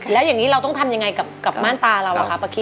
แล้วอย่างนี้เราต้องทำยังไงกับม่านตาเราอะคะป้าคิด